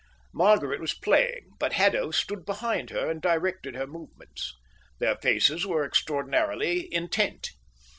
Margaret was playing, but Haddo stood behind her and directed her movements. Their faces were extraordinarily intent.